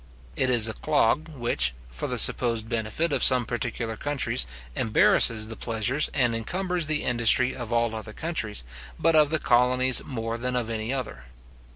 It is a clog which, for the supposed benefit of some particular countries, embarrasses the pleasures and encumbers the industry of all other countries, but of the colonies more than of any other.